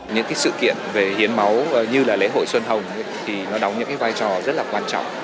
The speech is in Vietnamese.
những sự kiện về hiến máu như lễ hội xuân hồng đóng những vai trò rất quan trọng